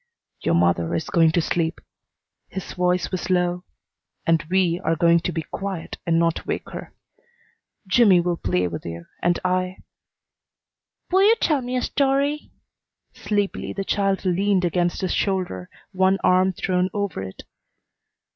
"Your mother is going to sleep." His voice was low. "And we are going to be quiet and not wake her. Jimmy will play with you, and I " "Will you tell me a story?" Sleepily the child leaned against his shoulder, one arm thrown over it.